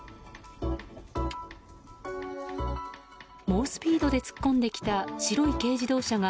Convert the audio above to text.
猛スピードで突っ込んできた白い軽自動車が